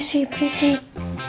aduh si fisik